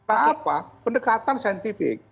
apa pendekatan saintifik